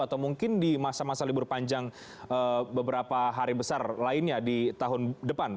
atau mungkin di masa masa libur panjang beberapa hari besar lainnya di tahun depan